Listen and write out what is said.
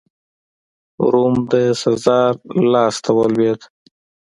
روم د سزار لاسته ولوېد.